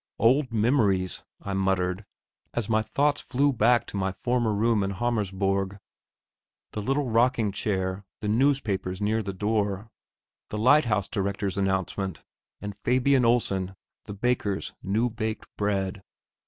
Old memories! I muttered, as my thoughts flew back to my former room in Hammersborg. The little rocking chair, the newspapers near the door, the lighthouse director's announcement, and Fabian Olsen, the baker's new baked bread.